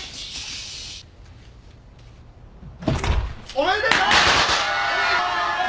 おめでとう！